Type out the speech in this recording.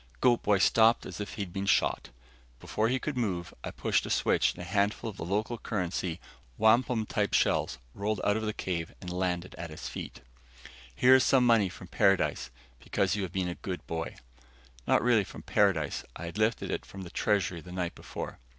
Goat boy stopped as if he'd been shot. Before he could move, I pushed a switch and a handful of the local currency, wampum type shells, rolled out of the cave and landed at his feet. "Here is some money from paradise, because you have been a good boy." Not really from paradise I had lifted it from the treasury the night before.